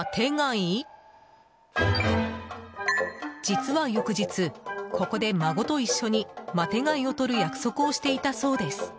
実は翌日、ここで孫と一緒にマテ貝をとる約束をしていたそうです。